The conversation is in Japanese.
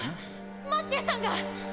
マッティアさんが！